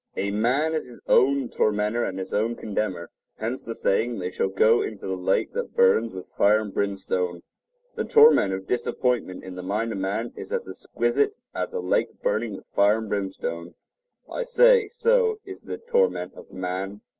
A man is his own tormenter and his own condemner. Hence the saying, They shall go into the lake that burns with fire and brimstone. The torment of disappointment in the mind of man is as exquisite as a lake burning with fire and brimstone. I say, so is the torment of man.